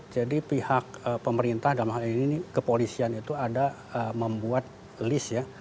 jadi pihak pemerintah dalam hal ini kepolisian itu ada membuat list ya